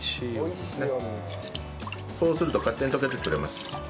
そうすると勝手に溶けてくれます。